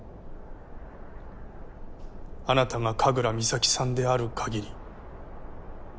あなたが神楽美咲さんである限り。